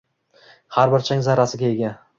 Har bir chang zarrasiga ega